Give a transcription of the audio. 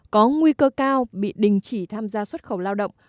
có nguy cơ cao bị đình chỉ tham gia xuất khẩu lao động